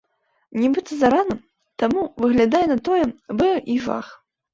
Нібыта зарана, таму, выглядае на тое, быў і жах.